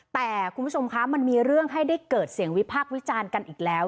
แต่คุณผู้ชมคะมันมีเรื่องให้ได้เกิดเสียงวิพากษ์วิจารณ์กันอีกแล้ว